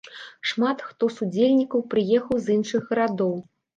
Шмат хто з удзельнікаў прыехаў з іншых гарадоў.